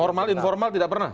formal informal tidak pernah